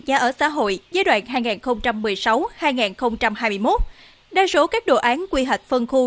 nhà ở xã hội giai đoạn hai nghìn một mươi sáu hai nghìn hai mươi một đa số các đồ án quy hoạch phân khu